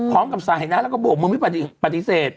พร้อมกับสายนะแล้วก็บอกมึงไม่ปฏิเสธ